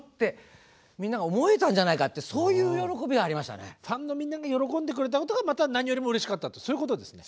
ほらねっファンのみんなが喜んでくれたことがまた何よりもうれしかったってそういうことですね。